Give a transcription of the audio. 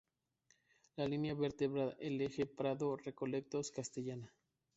La línea vertebra el eje Prado-Recoletos-Castellana.